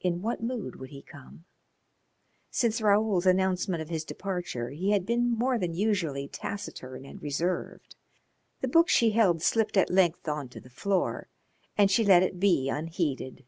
In what mood would he come? Since Raoul's announcement of his departure he had been more than usually taciturn and reserved. The book she held slipped at length on to the floor, and she let it he unheeded.